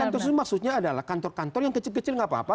kantor itu maksudnya adalah kantor kantor yang kecil kecil nggak apa apa